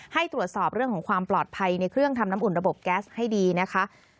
ให้ตรวจสอบเรื่องของความปลอดภัยในเครื่องทำน้ำอุ่นระบบแก๊สให้ดีนะคะ